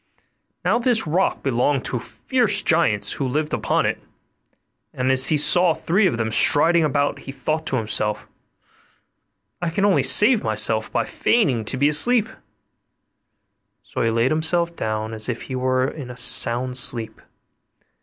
Now this rock belonged to fierce giants who lived upon it; and as he saw three of them striding about, he thought to himself, 'I can only save myself by feigning to be asleep'; so he laid himself down as if he were in a sound sleep.